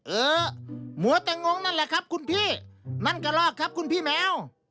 เออมัวแต่งงนั่นแหละครับคุณพี่นั่นกระลอกครับคุณพี่แมว